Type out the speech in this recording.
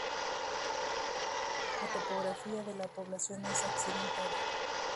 La topografía de la población es accidentada.